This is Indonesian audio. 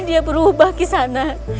dia berubah ke sana